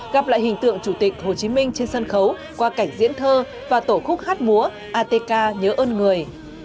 gặp lại hình tượng chủ tịch hồ chí minh trên sân khấu qua cảnh diễn thơ và tổ khúc hát múa atk nhớ ơn người